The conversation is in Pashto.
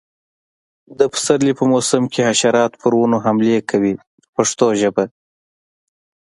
د پسرلي په موسم کې حشرات پر ونو حملې کوي په پښتو ژبه.